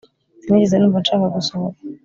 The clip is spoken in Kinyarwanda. Sinigeze numva nshaka gusohoka